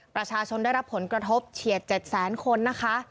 ประชาชนได้รับผลกระทบเฉียด๗แสนคนนะคะ